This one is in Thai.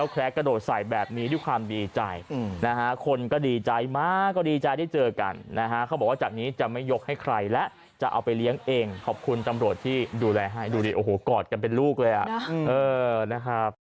ใครละจะเอาไปเลี้ยงเองขอบคุณตำรวจที่ดูแลให้ดูดิโอ้โหกอดกันเป็นลูกเลยอ่ะเออนะครับ